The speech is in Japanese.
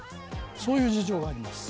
そういう事情があります。